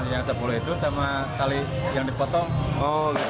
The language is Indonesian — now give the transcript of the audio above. yang sepuluh itu sama tali yang dipotong